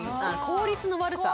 効率の悪さ。